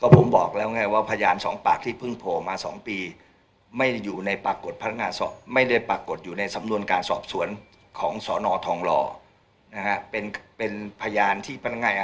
ผู้ต้องหาร้องไปที่พันธงาอัยการผ่านกรรมวัตถิการให้สอบเพิ่มเติมซึ่งพันธงาอัยการก็สั่งมาให้สอบเพิ่มเติมครับ